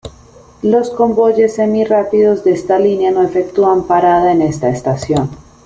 Los convoyes semi-rápidos de esta línea no efectúan parada en esta estación.